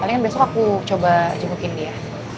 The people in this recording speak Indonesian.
palingan besok aku coba jemukin dia